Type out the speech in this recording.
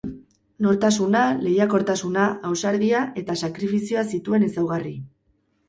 Nortasuna, lehiakortasuna, ausardia eta sakrifizioa zituen ezaugarri.